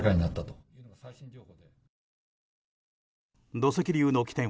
土石流の起点